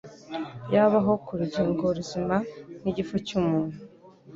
yabaho ku rugingo ruzima nk’igifu cy’umuntu?